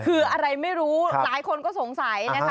คืออะไรไม่รู้หลายคนก็สงสัยนะคะ